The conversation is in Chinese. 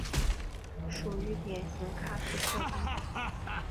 属于典型喀斯特地貌。